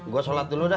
gua sholat dulu dah